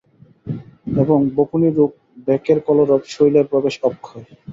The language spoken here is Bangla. এবং বকুনিরূপ ভেকের কলরব– শৈলের প্রবেশ অক্ষয়।